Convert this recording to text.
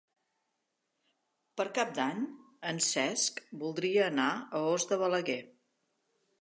Per Cap d'Any en Cesc voldria anar a Os de Balaguer.